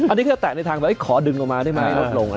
อันนี้ก็จะแตะในทางขอดึงมามาให้ลดลง